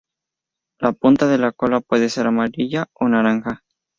La punta de la cola puede ser amarilla o naranja.